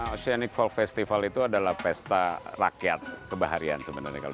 oceanic fall festival itu adalah pesta rakyat kebaharian sebenarnya kalau